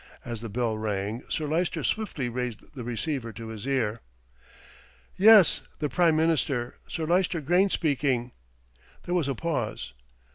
As the bell rang, Sir Lyster swiftly raised the receiver to his ear. "Yes, the Prime Minister. Sir Lyster Grayne speaking." There was a pause.